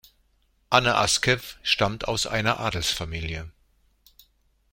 Anne Askew stammte aus einer Adelsfamilie.